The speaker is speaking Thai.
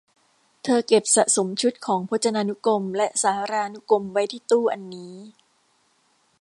เธอเก็บสะสมชุดของพจนานุกรมและสารานุกรมไว้ที่ตู้อันนี้